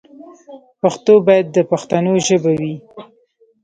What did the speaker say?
پښتو باید د پښتنو ژبه وي.